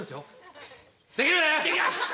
できます！